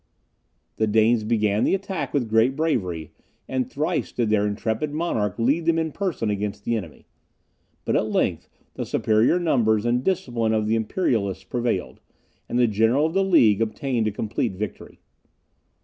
The Danes began the attack with great bravery, and thrice did their intrepid monarch lead them in person against the enemy; but at length the superior numbers and discipline of the Imperialists prevailed, and the general of the League obtained a complete victory.